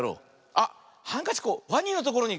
あっハンカチワニのところにかくれてた。